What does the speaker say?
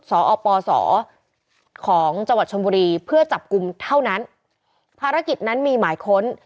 ปศของจังหวัดชนบุรีเพื่อจับกลุ่มเท่านั้นภารกิจนั้นมีหมายค้น